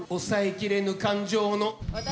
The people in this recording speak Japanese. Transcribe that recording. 抑えきれぬ感情の。